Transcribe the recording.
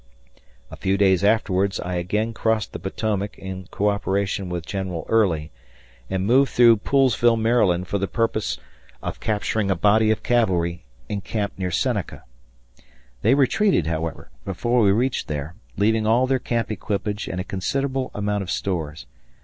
A few days afterward I again crossed the Potomac in coöperation with General Early, and moved through Poolesville, Md., for the purpose of capturing a body of cavalry encamped near Seneca. They retreated, however, before we reached there, leaving all their camp equipage and a considerable amount of stores.